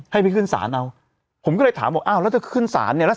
ให้ไปขึ้นศาลเอาผมก็เลยถามบอกอ้าวแล้วถ้าขึ้นศาลเนี่ย